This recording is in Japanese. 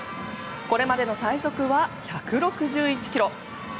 これまでの最速は１６１キロ。